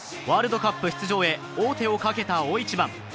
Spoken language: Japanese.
ワールドカップ出場へ王手をかけた大一番。